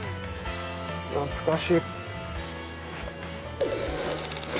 懐かしい。